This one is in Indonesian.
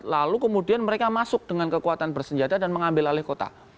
lalu kemudian mereka masuk dengan kekuatan bersenjata dan mengambil alih kota